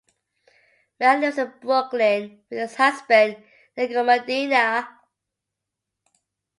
Merrell lives in Brooklyn with his husband Nico Medina.